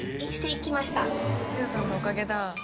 「千代さんのおかげだ」